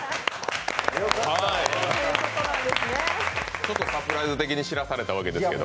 ちょっとサプライズ的に知らされたわけですけど。